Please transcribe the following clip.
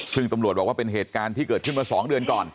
ซึ่งตำรวจบอกว่าเป็นเหตุการณ์ที่เกิดขึ้นมา๒เดือนก่อน